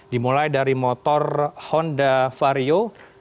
dimulai dari motor honda vario